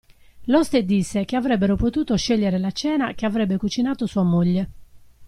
L'oste disse che avrebbero potuto scegliere la cena che avrebbe cucinato sua moglie.